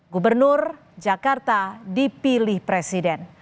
gubernur jakarta dipilih presiden